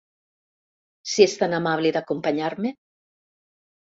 Si ets tan amable d'acompanyarr-me.